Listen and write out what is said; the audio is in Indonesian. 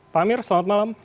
pamer selamat malam